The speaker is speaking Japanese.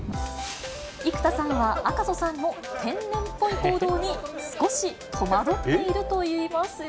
生田さんは、赤楚さんの天然っぽい行動に少し戸惑っているといいますよ。